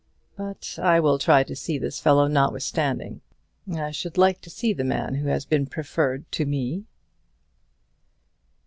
But I will try to see this fellow notwithstanding. I should like to see the man who has been preferred to me."